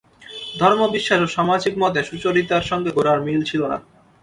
ধর্মবিশ্বাস ও সামাজিক মতে সুচরিতার সঙ্গে গোরার মিল ছিল না।